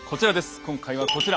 今回はこちら。